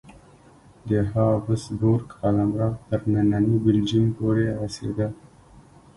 د هابسبورګ قلمرو تر ننني بلجیم پورې رسېده.